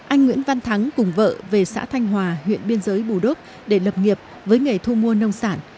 anh nguyễn văn thắng cùng vợ về xã thanh hòa huyện biên giới bù đốp để lập nghiệp với nghề thu mua nông sản